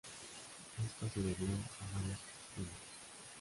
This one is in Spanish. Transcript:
Esto se debió a varias cuestiones.